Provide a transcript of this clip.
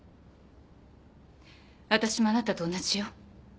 私もあなたと同じよ。